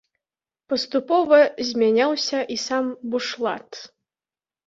Паступова змяняўся і сам бушлат.